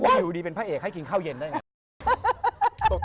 อยู่ดีเป็นพระเอกให้กินข้าวเย็นได้ไง